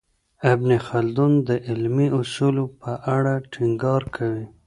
ابن خلدون د علمي اصولو په اړه ټینګار کوي.